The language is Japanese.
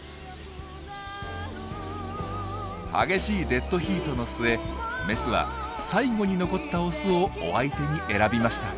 激しいデッドヒートの末メスは最後に残ったオスをお相手に選びました。